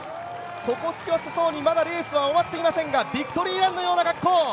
心地よさそうに、まだレースは終わっていませんが、ビクトリーランのような格好。